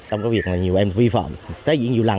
trong việc nhiều em vi phạm tái diện nhiều lần